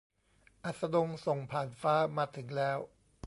อัสดงส่งผ่านฟ้ามาถึงแล้ว